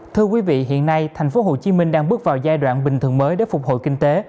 thưa quý vị hiện nay thành phố hồ chí minh đang bước vào giai đoạn bình thường mới để phục hồi kinh tế